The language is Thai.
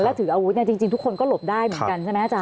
แล้วถืออาวุธเนี่ยจริงทุกคนก็หลบได้เหมือนกันใช่ไหมอาจาร